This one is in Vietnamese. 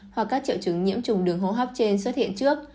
hoặc các triệu chứng nhiễm trùng đường hô hấp trên xuất hiện trước